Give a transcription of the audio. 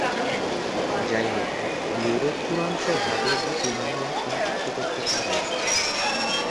যাইহোক, ব্যুরো চূড়ান্তভাবে দুটি মামলা সংযুক্ত করতে পারেনি।